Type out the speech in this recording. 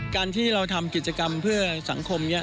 การที่เราทำกิจกรรมเพื่อสังคมนี้